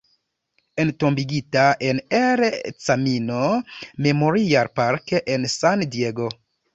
Entombigita en "El Camino Memorial Park" en San Diego.